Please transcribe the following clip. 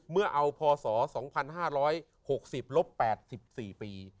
เมื่อเอาพศ๒๕๖๐ลบ๘๔ปี